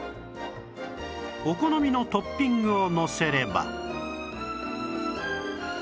お好みのトッピングをのせれば